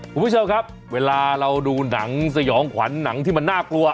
คุณผู้ชมครับเวลาเราดูหนังสยองขวัญหนังที่มันน่ากลัว